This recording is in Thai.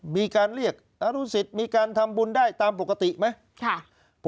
มีการเรียกอนุสิตมีการทำบุญได้ตามปกติไหม